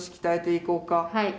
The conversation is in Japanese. はい。